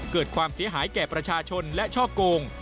เกิดความเสียหายแก่ประชาชนและช่อโกง